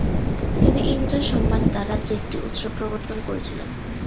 তিনি ইন্দ্রের সম্মানে তাঁর রাজ্যে একটি উৎসব প্রবর্তন করেছিলেন।